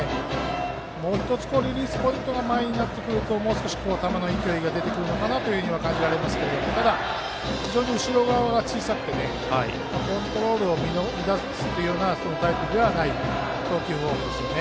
もう１つリリースポイントが前になってくるともう少し球の勢いが出てくるのかなと思いますけど後ろ側が小さくてコントロールを乱すというようなそういうタイプではない投球ですよね。